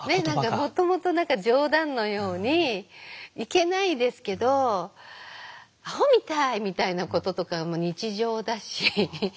もともと何か冗談のようにいけないですけど「アホみたい」みたいなこととかも日常だし。